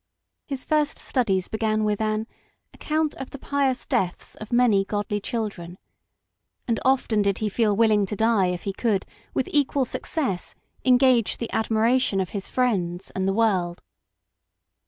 His first studies began with an " Account of the Pious Deaths of many Godly Children "; and often did he feel willing to die if he could, with equal success, engage the admiration of his friends and the world.